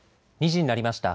２時になりました。